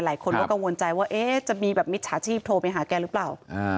หลายคนก็กังวลใจว่าจะมีแบบมิจฉาชีพโทรไปหาแกหรือเปล่า